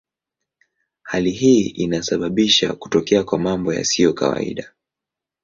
Hali hii inasababisha kutokea kwa mambo yasiyo kawaida.